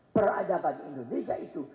peradaban indonesia itu